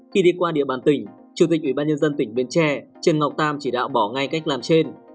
khi đi qua địa bàn tỉnh chủ tịch ủy ban nhân dân tỉnh bến tre trần ngọc tam chỉ đạo bỏ ngay cách làm trên